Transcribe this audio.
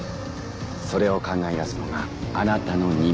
それを考え出すのがあなたの任務です。